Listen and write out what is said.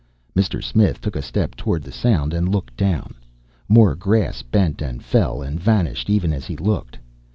Mr. Smith took a step toward the sound and looked down. More grass bent, and fell, and vanished, even as he looked.